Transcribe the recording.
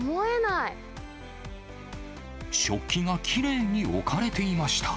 食器がきれいに置かれていました。